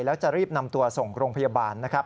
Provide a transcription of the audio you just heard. แล้วจะรีบนำตัวส่งโรงพยาบาลนะครับ